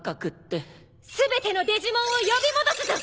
全てのデジモンを呼び戻すぞ！